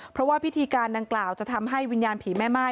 เพราะว่าพิธีการดังกล่าวจะทำให้วิญญาณผีแม่ม่าย